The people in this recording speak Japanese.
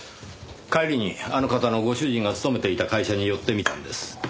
帰りにあの方のご主人が勤めていた会社に寄ってみたんです。